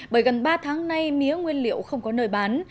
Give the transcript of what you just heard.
bởi gần ba tháng nay mía nguyên liệu không có nơi bán